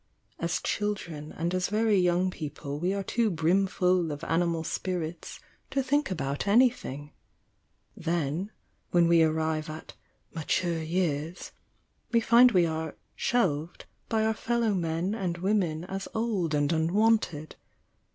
As chil dren and as very young people we are too brimful of animal spirits to think about anything, — then, when we arrive at 'mature years' we find we are 'shelved' by our fellow men and women as old and unwanted.